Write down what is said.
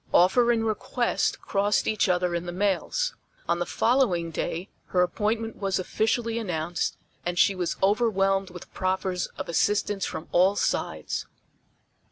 Offer and request crossed each other in the mails. On the following day her appointment was officially announced, and she was overwhelmed with proffers of assistance from all sides.